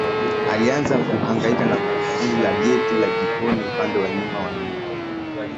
Alianza kuhangaika na kufuli la geti la jikoni upande wa nyuma wa nyumba